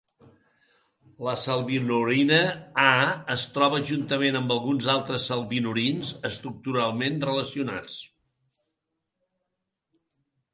La salvinorina A es troba juntament amb alguns altres salvinorins estructuralment relacionats.